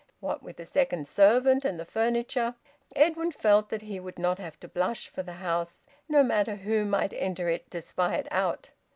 What with the second servant and the furniture, Edwin felt that he would not have to blush for the house, no matter who might enter it to spy it out.